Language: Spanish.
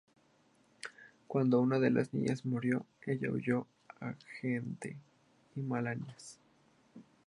Cuando una de las niñas murió, ella huyó a Gante y Malinas.